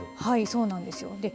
そうなんですよ。